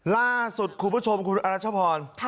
ล่าสุดคุณผู้ชมคุณอรัชพร